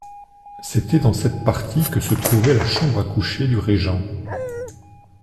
C'était dans cette partie que se trouvait la chambre à coucher du régent.